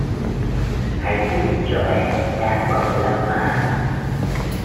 Hãy hiểu cho em đang bận lắm mà